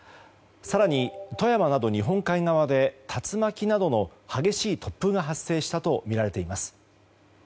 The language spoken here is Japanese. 更に富山など日本海側で竜巻などの激しい突風が発生したとみられています。